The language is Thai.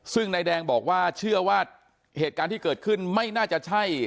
ซึ่งนายแดงบอกว่าเชื่อว่าเหตุการณ์ที่เกิดขึ้นไม่น่าจะใช่